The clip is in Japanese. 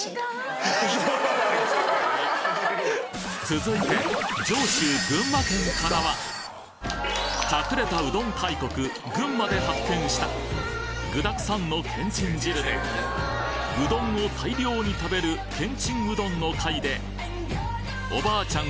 続いて上州群馬県からは隠れたうどん大国群馬で発見した具だくさんのけんちん汁でうどんを大量に食べるけんちんうどんの回でおばあちゃん